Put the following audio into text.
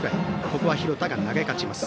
ここは廣田が投げ勝ちます。